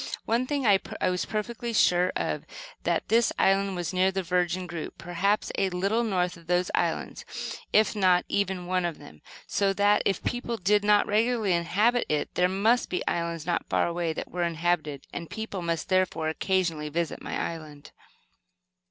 One thing I was perfectly sure of, that this island was near the Virgin group, perhaps a little north of those islands, if not even one of them; so that, if people did not regularly inhabit it, there must be islands not far away that were inhabited, and people must, therefore, occasionally visit my island.